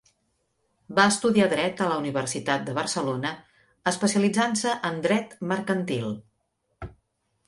Va estudiar dret a la Universitat de Barcelona, especialitzant-se en dret mercantil.